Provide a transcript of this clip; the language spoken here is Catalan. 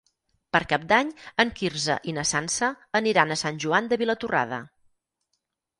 Per Cap d'Any en Quirze i na Sança aniran a Sant Joan de Vilatorrada.